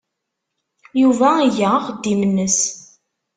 Yuba iga axeddim-nnes.